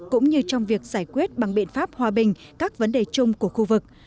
cũng như trong việc giải quyết bằng biện pháp hòa bình các vấn đề chung của khu vực